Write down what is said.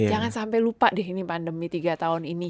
jangan sampai lupa deh ini pandemi tiga tahun ini